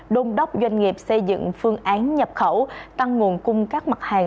đôn đốc doanh nghiệp xây dựng phương án nhập khẩu tăng nguồn cung các mặt hàng